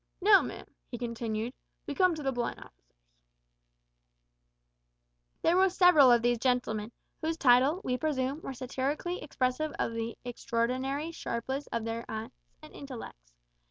"Now, ma'am," he continued, "we come to the blind officers." There were several of those gentlemen, whose title, we presume, was satirically expressive of the extraordinary sharpness of their eyes and intellects.